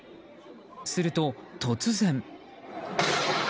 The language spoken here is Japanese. すると、突然。